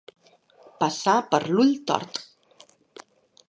Passar per l'ull tort.